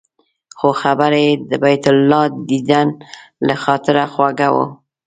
خو خبره یې د بیت الله دیدن له خاطره خوږه وه.